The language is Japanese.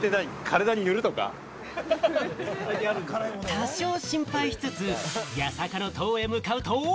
多少心配しつつ、八坂の塔へ向かうと。